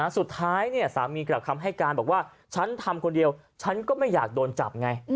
สุดท้ายสามีกลับคำให้การบอกว่าฉันทำคนเดียวฉันก็ไม่อยากโดนจับไง